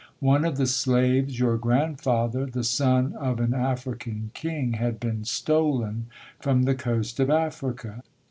One of the slaves, your grandfather, the son of an African king, had been stolen from the coast of Africa".